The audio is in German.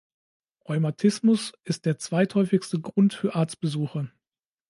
Rheumatismus ist der zweithäufigste Grund für Arztbesuche.